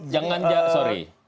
jangan jangan sorry